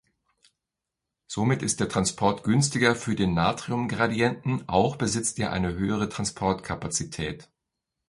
Somit ist der Transport günstiger für den Natrium-Gradienten, auch besitzt er eine höhere Transportkapazität.